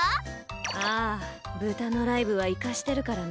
ああ豚のライブはイカしてるからな。